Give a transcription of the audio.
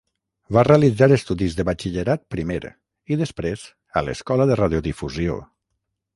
Va realitzar estudis de Batxillerat primer i, després, a l'Escola de Radiodifusió.